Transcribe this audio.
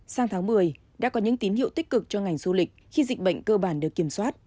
sang tháng một mươi đã có những tín hiệu tích cực cho ngành du lịch khi dịch bệnh cơ bản được kiểm soát